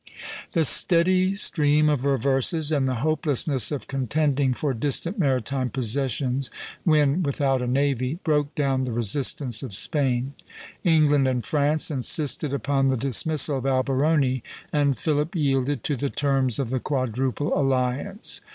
The steady stream of reverses, and the hopelessness of contending for distant maritime possessions when without a navy, broke down the resistance of Spain. England and France insisted upon the dismissal of Alberoni, and Philip yielded to the terms of the Quadruple Alliance.